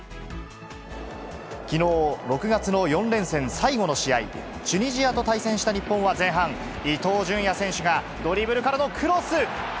きのう、６月の４連戦最後の試合、チュニジアと対戦した日本は前半、伊東純也選手がドリブルからのクロス。